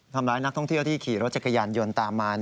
ทำร้ายนักท่องเที่ยวที่ขี่รถจักรยานยนต์ตามมา